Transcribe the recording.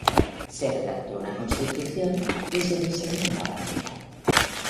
Se redactó una constitución y se diseñó una bandera.